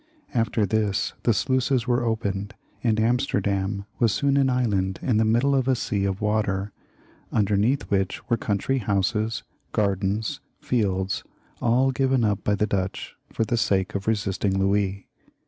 After this the sluices were opened, and Amsterdam was soon an island in the middle of a sea of water, underneath which were country houses, gardens, fields, all given up by the Dutch for the sake of resisting Louis.